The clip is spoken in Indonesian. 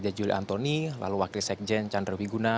rakyat juli antoni lalu wakil sekjen candro wiguna